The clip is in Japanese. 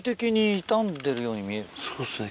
そうっすね